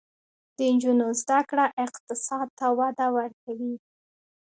د نجونو زده کړه اقتصاد ته وده ورکوي.